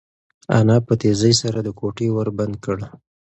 انا په تېزۍ سره د کوټې ور بند کړ.